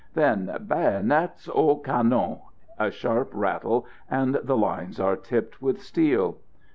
Then, "Bayonnettes aux canons!" A sharp rattle, and the lines are tipped with steel.